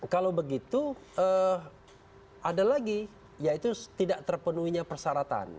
kalau begitu ada lagi yaitu tidak terpenuhinya persyaratan